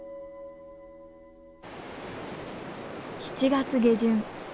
７月下旬。